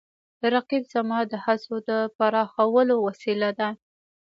رقیب زما د هڅو د پراخولو وسیله ده